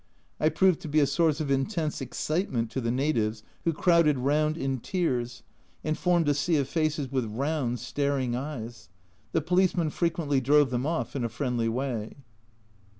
I proved to be a source of intense excitement to the natives, who crowded round in tiers, and formed a sea of faces with round staring eyes. The policemen frequently drove them off in a friendly way.